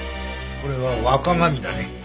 これは和鏡だね。